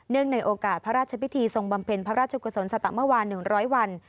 ในโอกาสพระราชพิธีทรงบำเพ็ญพระราชกุศลสตะเมื่อวาน๑๐๐วัน